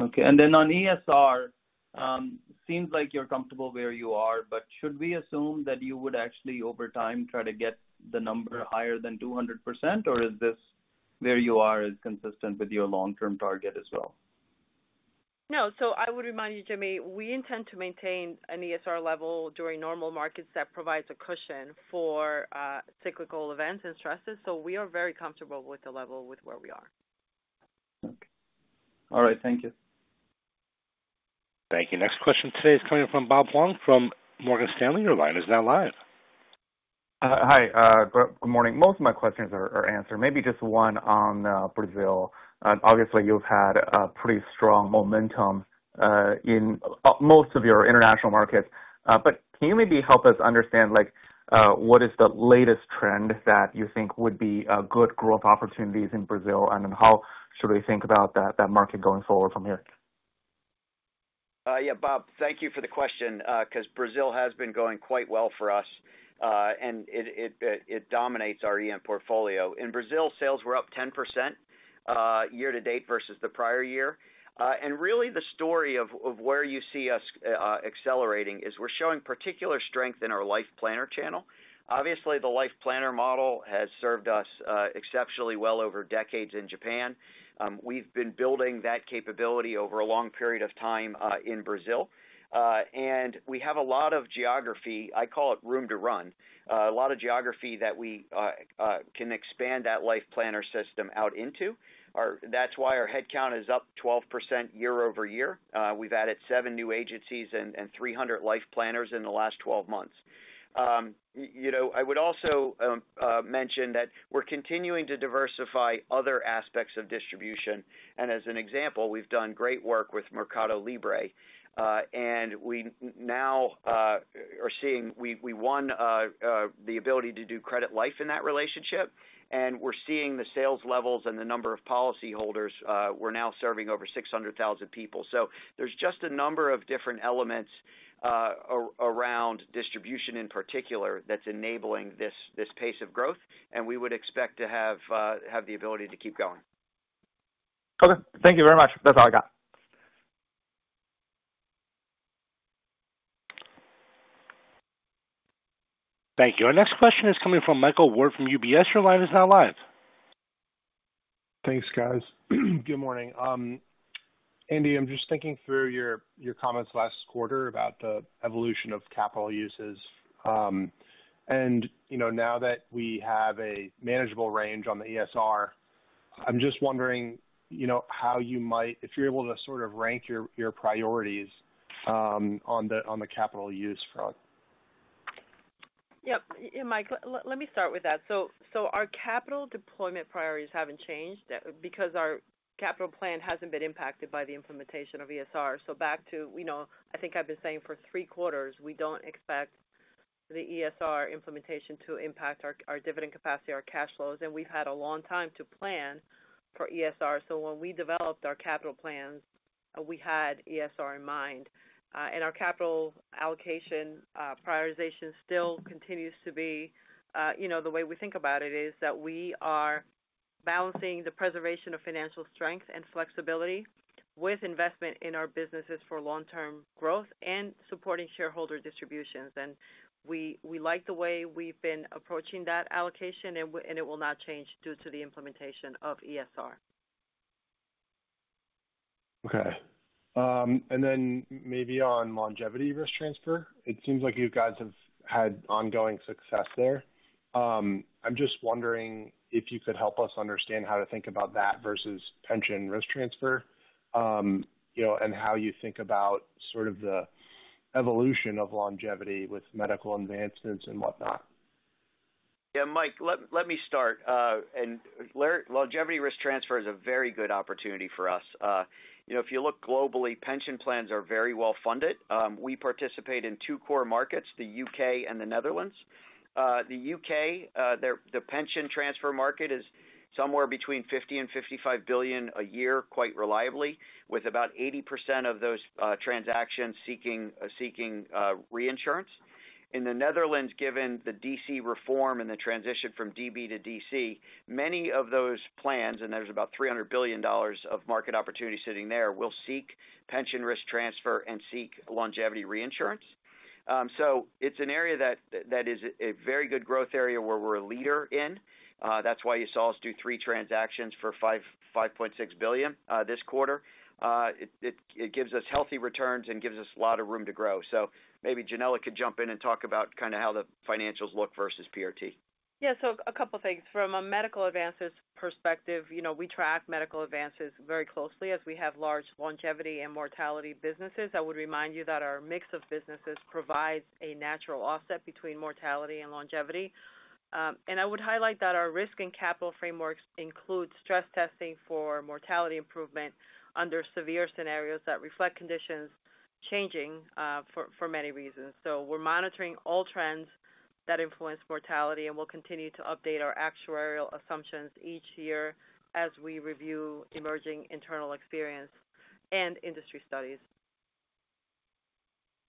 Okay. On ESR, it seems like you're comfortable where you are, but should we assume that you would actually, over time, try to get the number higher than 200%, or is this where you are consistent with your long-term target as well? No. I would remind you, Jimmy, we intend to maintain an ESR level during normal markets that provides a cushion for cyclical events and stresses. We are very comfortable with the level with where we are. Okay. All right. Thank you. Thank you. Next question today is coming from Bob Huang from Morgan Stanley. Your line is now live. Hi. Good morning. Most of my questions are answered. Maybe just one on Brazil. Obviously, you've had pretty strong momentum in most of your international markets. Can you maybe help us understand what is the latest trend that you think would be good growth opportunities in Brazil, and then how should we think about that market going forward from here? Yeah, Bob, thank you for the question because Brazil has been going quite well for us. It dominates our EM portfolio. In Brazil, sales were up 10% year-to-date versus the prior year. Really, the story of where you see us accelerating is we're showing particular strength in our Life Planner channel. Obviously, the Life Planner model has served us exceptionally well over decades in Japan. We've been building that capability over a long period of time in Brazil, and we have a lot of geography—I call it room to run—a lot of geography that we can expand that Life Planner system out into. That's why our headcount is up 12% year-over-year. We've added seven new agencies and 300 Life Planners in the last 12 months. I would also mention that we're continuing to diversify other aspects of distribution. As an example, we've done great work with Mercado Libre, and we now are seeing we won the ability to do credit life in that relationship. We're seeing the sales levels and the number of policyholders; we're now serving over 600,000 people. There are just a number of different elements around distribution in particular that's enabling this pace of growth. We would expect to have the ability to keep going. Okay, thank you very much. That's all I got. Thank you. Our next question is coming from Andy from UBS. Your line is now live. Thanks, guys. Good morning. Andy, I'm just thinking through your comments last quarter about the evolution of capital uses. Now that we have a manageable range on the ESR, I'm just wondering how you might, if you're able to, sort of rank your priorities on the capital use front. Yeah. Mike, let me start with that. Our capital deployment priorities haven't changed because our capital plan hasn't been impacted by the implementation of ESR. Back to, I think I've been saying for three quarters, we don't expect the ESR implementation to impact our dividend capacity or our cash flows. We've had a long time to plan for ESR. When we developed our capital plans, we had ESR in mind. Our capital allocation prioritization still continues to be the way we think about it, which is that we are balancing the preservation of financial strength and flexibility with investment in our businesses for long-term growth and supporting shareholder distributions. We like the way we've been approaching that allocation, and it will not change due to the implementation of ESR. Okay. Maybe on longevity risk transfer, it seems like you guys have had ongoing success there. I'm just wondering if you could help us understand how to think about that versus pension risk transfer, and how you think about sort of the evolution of longevity with medical advancements and whatnot. Yeah, Mike, let me start. Longevity risk transfer is a very good opportunity for us. If you look globally, pension plans are very well funded. We participate in two core markets, the U.K. and the Netherlands. The U.K. pension transfer market is somewhere between $50 billion and $55 billion a year, quite reliably, with about 80% of those transactions seeking reinsurance. In the Netherlands, given the DC reform and the transition from DB-DC, many of those plans, and there's about $300 billion of market opportunity sitting there, will seek pension risk transfer and seek longevity reinsurance. It is an area that is a very good growth area where we're a leader in. That's why you saw us do three transactions for $5.6 billion this quarter. It gives us healthy returns and gives us a lot of room to grow. Maybe Yanela could jump in and talk about kind of how the financials look versus PRT. Yeah. A couple of things. From a medical advances perspective, we track medical advances very closely as we have large longevity and mortality businesses. I would remind you that our mix of businesses provides a natural offset between mortality and longevity. I would highlight that our risk and capital frameworks include stress testing for mortality improvement under severe scenarios that reflect conditions changing for many reasons. We're monitoring all trends that influence mortality, and we'll continue to update our actuarial assumptions each year as we review emerging internal experience and industry studies.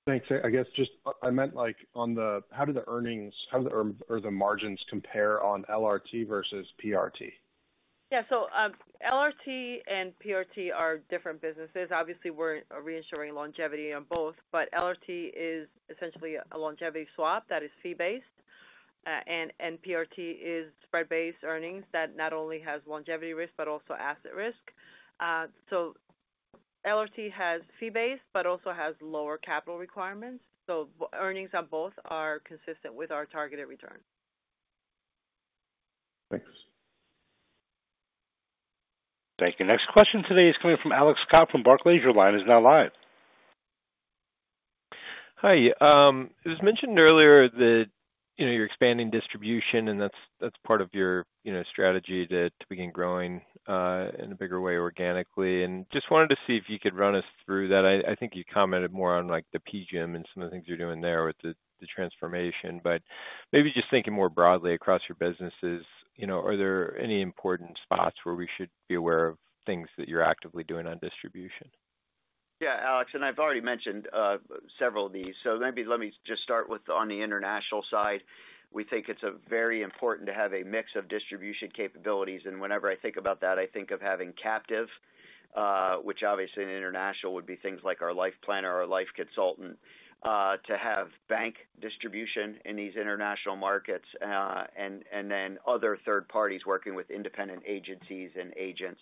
Thanks. I guess I meant on the how do the earnings, how do the margins compare on LRT versus PRT? Yeah. LRT and PRT are different businesses. Obviously, we're reinsuring longevity on both, but LRT is essentially a longevity swap that is fee-based. PRT is spread-based earnings that not only has longevity risk but also asset risk. LRT has fee-based but also has lower capital requirements. Earnings on both are consistent with our targeted return. Thanks. Thank you. Next question today is coming from Alex Scott from Barclays. Your line is now live. Hi. It was mentioned earlier that you're expanding distribution, and that's part of your strategy to begin growing in a bigger way organically. I just wanted to see if you could run us through that. I think you commented more on the PGIM and some of the things you're doing there with the transformation. Maybe just thinking more broadly across your businesses, are there any important spots where we should be aware of things that you're actively doing on distribution? Yeah, Alex. I've already mentioned several of these. Maybe let me just start with on the international side. We think it's very important to have a mix of distribution capabilities. Whenever I think about that, I think of having captive, which obviously in international would be things like our Life Planner, our life consultant, to have bank distribution in these international markets, and then other third parties working with independent agencies and agents.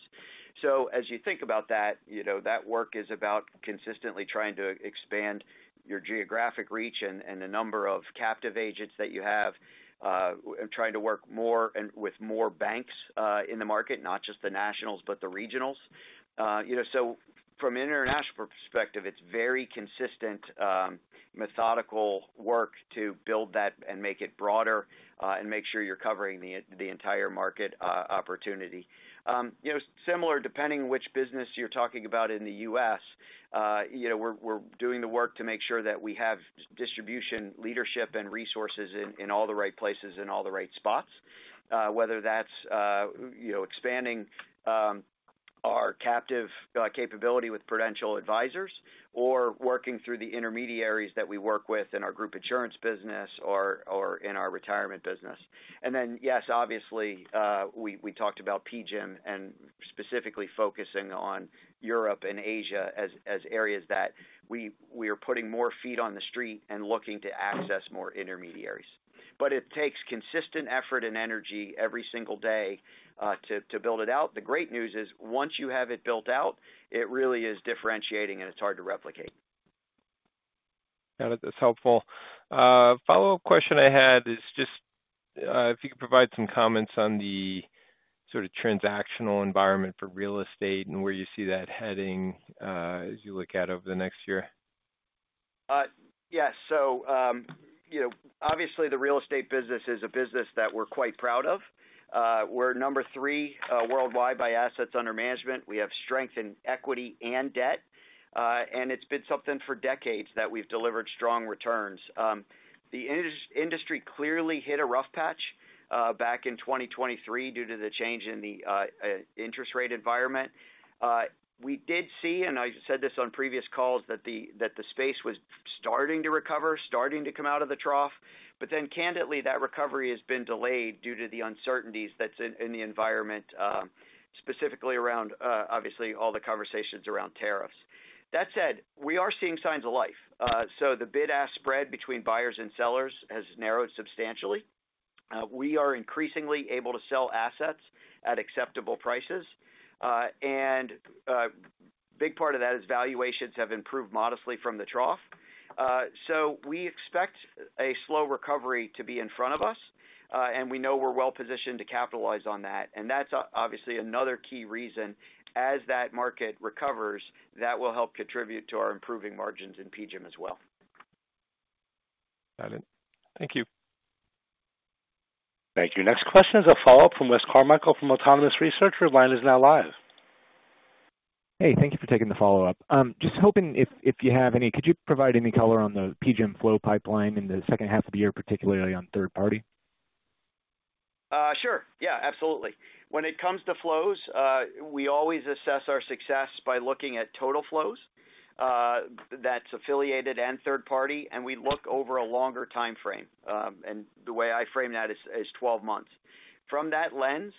As you think about that, that work is about consistently trying to expand your geographic reach and the number of captive agents that you have, and trying to work more with more banks in the market, not just the nationals but the regionals. From an international perspective, it's very consistent, methodical work to build that and make it broader and make sure you're covering the entire market opportunity. Similar, depending which business you're talking about in the U.S., we're doing the work to make sure that we have distribution leadership and resources in all the right places and all the right spots, whether that's expanding our captive capability with Prudential Advisors or working through the intermediaries that we work with in our group insurance business or in our retirement business. Yes, obviously, we talked about PGIM and specifically focusing on Europe and Asia as areas that we are putting more feet on the street and looking to access more intermediaries. It takes consistent effort and energy every single day to build it out. The great news is once you have it built out, it really is differentiating, and it's hard to replicate. That is helpful. Follow-up question I had is just if you could provide some comments on the sort of transactional environment for real estate and where you see that heading as you look ahead over the next year. Yes. Obviously, the real estate business is a business that we're quite proud of. We're number three worldwide by assets under management. We have strength in equity and debt, and it's been something for decades that we've delivered strong returns. The industry clearly hit a rough patch back in 2023 due to the change in the interest rate environment. We did see, and I said this on previous calls, that the space was starting to recover, starting to come out of the trough. Candidly, that recovery has been delayed due to the uncertainties that's in the environment, specifically around, obviously, all the conversations around tariffs. That said, we are seeing signs of life. The bid-ask spread between buyers and sellers has narrowed substantially. We are increasingly able to sell assets at acceptable prices. A big part of that is valuations have improved modestly from the trough. We expect a slow recovery to be in front of us, and we know we're well-positioned to capitalize on that. That's obviously another key reason as that market recovers, that will help contribute to our improving margins in PGIM as well. Got it. Thank you. Thank you. Next question is a follow-up from Wes Carmichael from Autonomous Research. Your line is now live. Hey, thank you for taking the follow-up. Just hoping if you have any, could you provide any color on the PGIM flow pipeline in the second half of the year, particularly on third-party? Sure. Yeah, absolutely. When it comes to flows, we always assess our success by looking at total flows. That's affiliated and third-party. We look over a longer time frame. The way I frame that is 12 months. From that lens,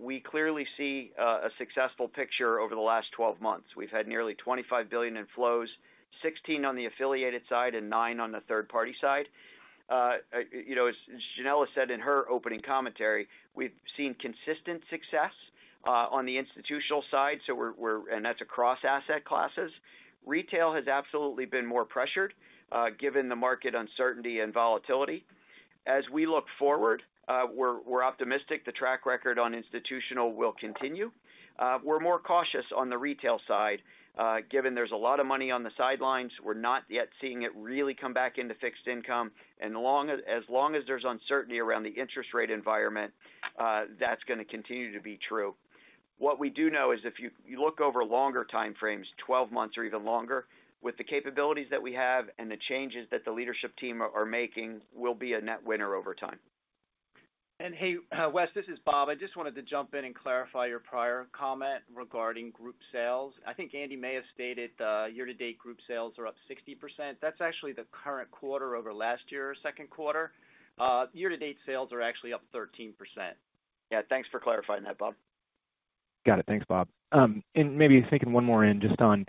we clearly see a successful picture over the last 12 months. We've had nearly $25 billion in flows, $16 billion on the affiliated side and $9 billion on the third-party side. As Yanela said in her opening commentary, we've seen consistent success. On the institutional side, that's across asset classes. Retail has absolutely been more pressured given the market uncertainty and volatility. As we look forward, we're optimistic the track record on institutional will continue. We're more cautious on the retail side given there's a lot of money on the sidelines. We're not yet seeing it really come back into fixed income. As long as there's uncertainty around the interest rate environment, that's going to continue to be true. What we do know is if you look over longer time frames, 12 months or even longer, with the capabilities that we have and the changes that the leadership team are making, we'll be a net winner over time. Hey, Wes, this is Bob. I just wanted to jump in and clarify your prior comment regarding group sales. I think Andy may have stated year-to-date group sales are up 60%. That's actually the current quarter over last year's second quarter. Year-to-date sales are actually up 13%. Yeah, thanks for clarifying that, Bob. Got it. Thanks, Bob. Maybe thinking one more in just on,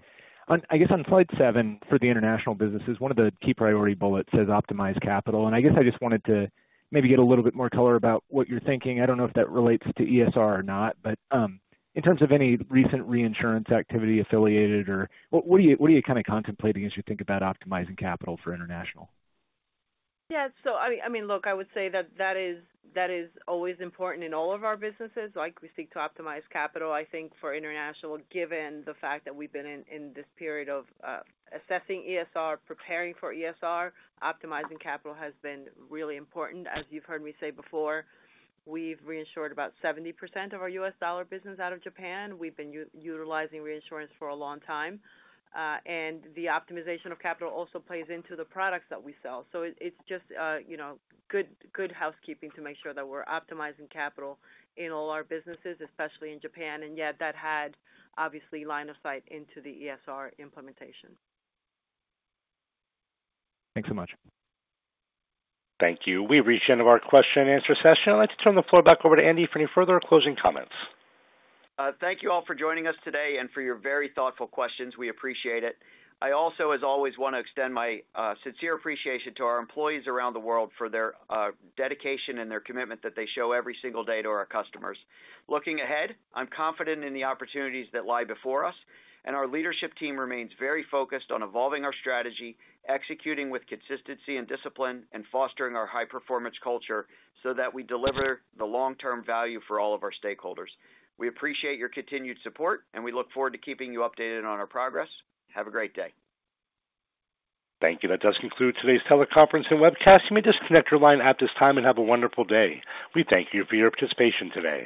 I guess, on slide seven for the international businesses, one of the key priority bullets says optimize capital. I just wanted to maybe get a little bit more color about what you're thinking. I don't know if that relates to ESR or not, but in terms of any recent reinsurance activity affiliated, or what are you kind of contemplating as you think about optimizing capital for international? Yeah. I would say that that is always important in all of our businesses. We seek to optimize capital. I think, for international, given the fact that we've been in this period of assessing ESR, preparing for ESR, optimizing capital has been really important. As you've heard me say before, we've reinsured about 70% of our U.S. dollar business out of Japan. We've been utilizing reinsurance for a long time, and the optimization of capital also plays into the products that we sell. It's just good housekeeping to make sure that we're optimizing capital in all our businesses, especially in Japan. That had, obviously, line of sight into the ESR implementation. Thanks so much. Thank you. We reached the end of our question-and-answer session. I'd like to turn the floor back over to Andy for any further closing comments. Thank you all for joining us today and for your very thoughtful questions. We appreciate it. I also, as always, want to extend my sincere appreciation to our employees around the world for their dedication and their commitment that they show every single day to our customers. Looking ahead, I'm confident in the opportunities that lie before us. Our leadership team remains very focused on evolving our strategy, executing with consistency and discipline, and fostering our high-performance culture so that we deliver the long-term value for all of our stakeholders. We appreciate your continued support, and we look forward to keeping you updated on our progress. Have a great day. Thank you. That does conclude today's teleconference and webcast. You may disconnect your line at this time and have a wonderful day. We thank you for your participation today.